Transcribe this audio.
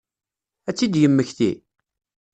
Ad tt-id-yemmekti?